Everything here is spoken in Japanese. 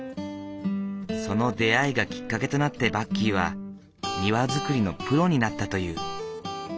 その出会いがきっかけとなってバッキーは庭造りのプロになったという。